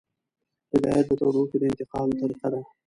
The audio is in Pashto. هدایت د تودوخې د انتقال طریقه ده.